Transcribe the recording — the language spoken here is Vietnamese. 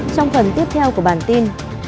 trong phần tiếp theo của bản tin